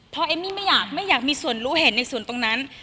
เพราะเอ็มมี่ไม่อยากไม่อยากมีส่วนรู้เห็นในส่วนตรงนั้น